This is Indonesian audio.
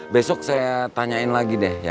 besok saya tanyain lagi deh